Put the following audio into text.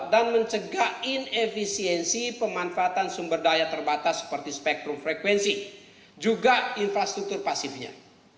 dan mencegah inefisiensi pemanfaatan sumber daya terbatas seperti spektrum frekuensi juga infrastruktur pasifnya